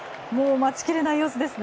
待ちきれない様子ですね。